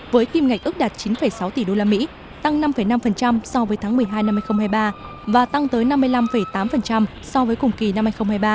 với kim ngạch ước đạt chín sáu tỷ usd tăng năm năm so với tháng một mươi hai năm hai nghìn hai mươi ba và tăng tới năm mươi năm tám so với cùng kỳ năm hai nghìn hai mươi ba